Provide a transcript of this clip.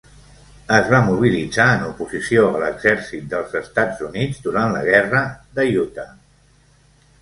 Es va mobilitzar en oposició a l'Exèrcit dels Estats Units durant la guerra d'Utah.